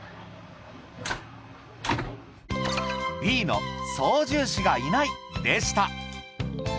Ｂの操縦士がいないでした